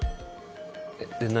で何？